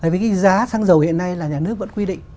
với cái giá xăng dầu hiện nay là nhà nước vẫn quy định